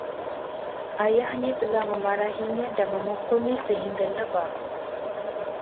Ayahnya telah memarahinya dan memukulnya sehingga lebam